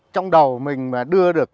trong đầu mình mà đưa được